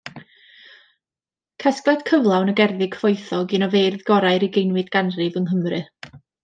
Casgliad cyflawn o gerddi cyfoethog un o feirdd gorau'r ugeinfed ganrif yng Nghymru.